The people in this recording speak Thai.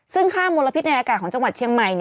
ซึ่งค่ามลพิษในอากาศของจังหวัดเชียงใหม่